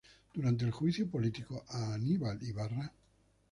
Durante el juicio político a Aníbal Ibarra.